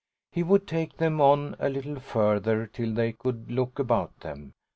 He would take them on a little further, till they could look about them.